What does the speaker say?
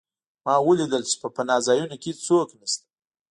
ما ولیدل چې په پناه ځایونو کې هېڅوک نشته